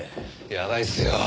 やばいっすよ。